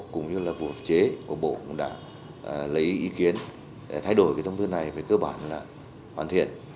cũng như là phù hợp chế của bộ cũng đã lấy ý kiến thay đổi thông tư này với cơ bản là hoàn thiện